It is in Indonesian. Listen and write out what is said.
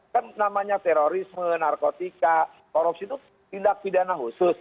kan namanya terorisme narkotika korupsi itu tindak pidana khusus